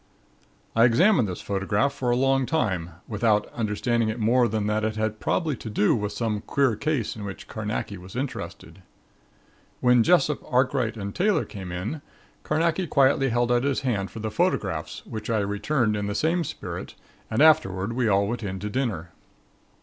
I examined this photograph for a long time without understanding it more than that it had probably to do with some queer case in which Carnacki was interested. When Jessop, Arkright and Taylor came in Carnacki quietly held out his hand for the photographs which I returned in the same spirit and afterward we all went in to dinner.